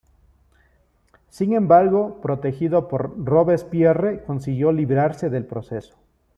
Sin embargo, protegido por Robespierre, consiguió librarse del proceso.